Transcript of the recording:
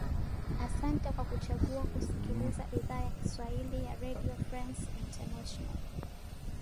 asante sana kwa kuchagua kusikiliza idhaa ya kiswahili ya radio france international